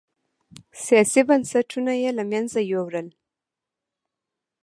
سیاسي بنسټونه یې له منځه یووړل.